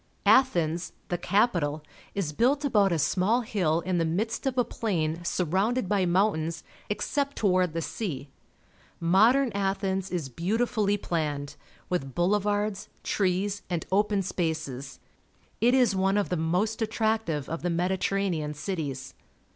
— Athens, the capital, is built about a small hill in the midst of a plain surrounded by mountains except toward the sea. Modern Athens is beautifully planned, with boule vards, trees, and open spaces. It is one of the most attractive of the Mediterranean cities.